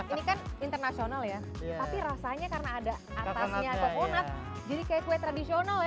ini kan internasional ya tapi rasanya karena ada atasnya ataupunat jadi kayak kue tradisional ya